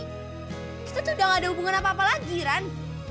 kita tuh udah gak ada hubungan apa apa lagi ran